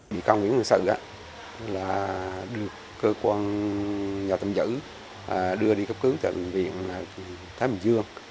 bị công nguyễn minh sự được cơ quan nhà tạm giữ đưa đi cấp cứu tại bệnh viện thái bình dương